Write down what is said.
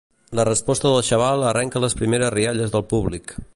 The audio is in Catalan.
La resposta del xaval arrenca les primeres rialles del públic.